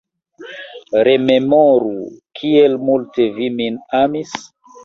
Rememoru, kiel multe vi min amis?